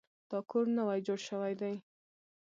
دا کور نوی جوړ شوی دی.